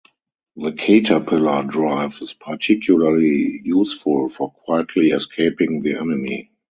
The caterpillar drive is particularly useful for quietly escaping the enemy.